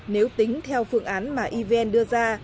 nếu tính theo phương án mà evn đưa ra